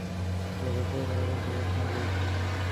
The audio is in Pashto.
که لابراتوار برابر سي، وخت نه ضایع کېږي.